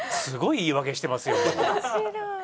すごい言い訳してますよ。